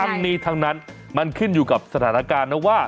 ทั้งนี้ทั้งนั้นมันขึ้นอยู่กับสถานการณ์นะว่า